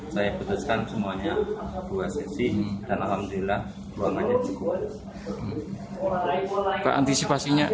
tapi itu saja secara teori genset pun kelihatannya tidak mati